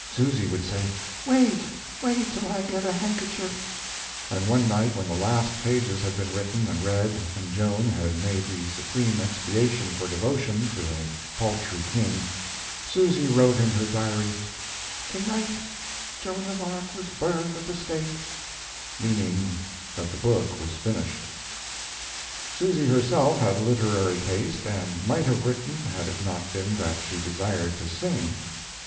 Susy would say, "Wait, wait till I get a handkerchief," and one night when the last pages had been written and read, and Joan had made the supreme expiation for devotion to a paltry king, Susy wrote in her diary, "To night Joan of Arc was burned at the stake," meaning that the book was finished. Susy herself had literary taste and might have written had it not been that she desired to sing.